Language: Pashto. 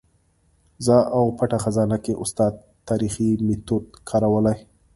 زه او پټه خزانه کې استاد تاریخي میتود کارولی.